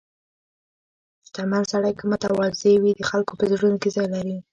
• شتمن سړی که متواضع وي، د خلکو په زړونو کې ځای لري.